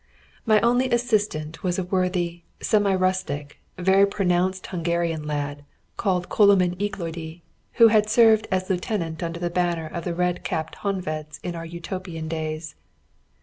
My only assistant was a worthy, semi rustic, very pronounced Hungarian lad, called Coloman Iglódi, who had served as lieutenant under the banner of the red capped Honveds in our Utopian days.